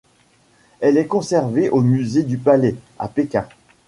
Elle est conservée au Musée du Palais, à Pékin.